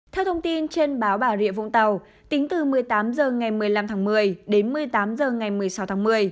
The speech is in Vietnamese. theo thông tin trên báo bà rịa vũng tàu tính từ một mươi tám h ngày một mươi năm tháng một mươi đến một mươi tám h ngày một mươi sáu tháng một mươi